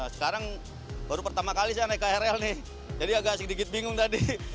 sekarang baru pertama kali saya naik krl nih jadi agak sedikit bingung tadi